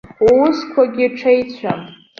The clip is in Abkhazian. Уусқәагьы ҽеицәам.